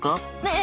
え